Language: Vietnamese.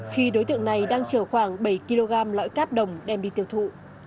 khi đối tượng này đang chở khoảng bảy kg lõi cáp đồng đem đi tiêu thụ